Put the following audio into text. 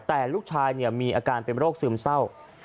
แต่ลูกชายมีอาการเป็นโรคซึมเศร้า